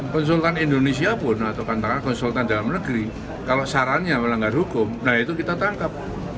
konsultan indonesia pun atau katakanlah konsultan dalam negeri kalau sarannya melanggar hukum nah itu kita tangkap